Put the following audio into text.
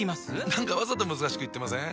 何かわざと難しく言ってません？